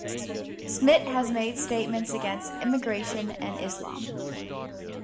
Smit has made statements against immigration and Islam.